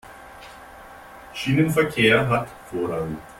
Schienenverkehr hat Vorrang.